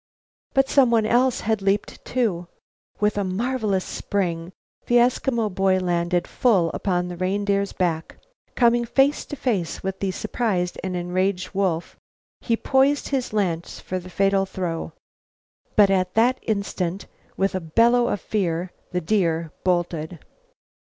But someone else leaped too. With a marvelous spring, the Eskimo boy landed full upon the reindeer's back. Coming face to face with the surprised and enraged wolf, he poised his lance for the fatal thrust. But at that instant, with a bellow of fear, the deer bolted.